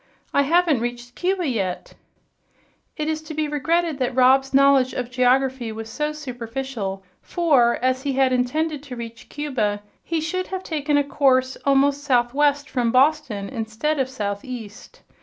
"I haven't reached Cuba yet." It is to be regretted that Rob's knowledge of geography was so superficial; for, as he had intended to reach Cuba, he should have taken a course almost southwest from Boston, instead of southeast.